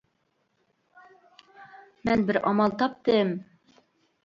- مەن بىر ئامال تاپتىم!